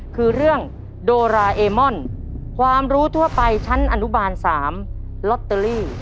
คือเรื่องโดราเอมอนความรู้ทั่วไปชั้นอนุบาล๓ลอตเตอรี่